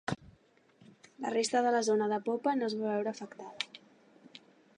La resta de la zona de popa no es va veure afectada.